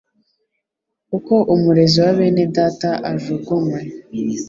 Uko umurezi wa bene data ajugunywe